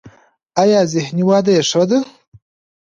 ایا ذهني وده یې ښه ده؟